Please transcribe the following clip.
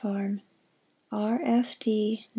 Farm R. F. D. No.